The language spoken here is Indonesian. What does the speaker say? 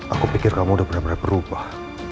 aku pikir kamu udah bener bener berubah